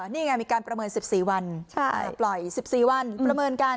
นี่ไงมีการประเมิน๑๔วันปล่อย๑๔วันประเมินกัน